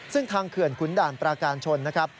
ซึ่งทางเขื่อนขุนด่านปราการชนนะครับ